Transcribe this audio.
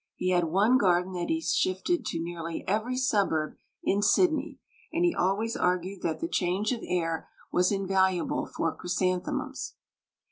He had one garden that he shifted to nearly every suburb in Sydney; and he always argued that the change of air was invaluable for chrysanthemums.